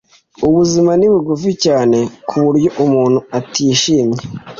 ubuzima ni bugufi cyane ku buryo umuntu atishimye